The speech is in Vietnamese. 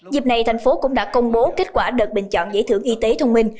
dịp này thành phố cũng đã công bố kết quả đợt bình chọn giải thưởng y tế thông minh